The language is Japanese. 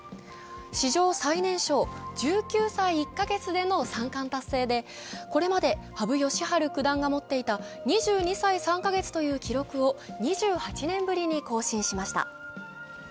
史上最年少、１９歳１カ月での三冠達成でこれまで羽生善治九段が持っていた２２歳３カ月という記録を２８年ぶりに更新しました。